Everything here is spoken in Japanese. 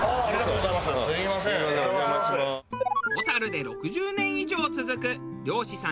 小樽で６０年以上続く漁師さん